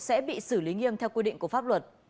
sẽ bị xử lý nghiêm theo quy định của pháp luật